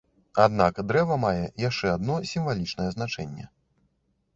Аднак дрэва мае яшчэ адно сімвалічнае значэнне.